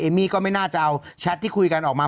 มี่ก็ไม่น่าจะเอาแชทที่คุยกันออกมา